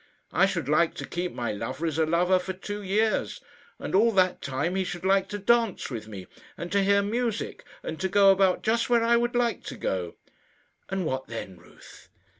I should like to keep my lover as a lover for two years. And all that time he should like to dance with me, and to hear music, and to go about just where I would like to go." "And what then, Ruth?"